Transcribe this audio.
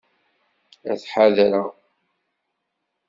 Ad ḥadreɣ.